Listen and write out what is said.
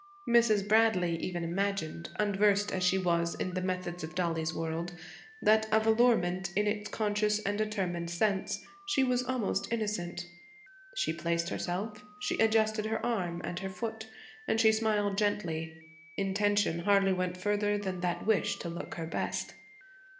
Mrs. Bradley even imagined, unversed as she was in the methods of Dollie's world, that of allurement in its conscious and determined sense, she was almost innocent. She placed herself, she adjusted her arm and her foot, and she smiled gently; intention hardly went further than that wish to look her best.